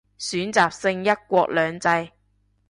選擇性一國兩制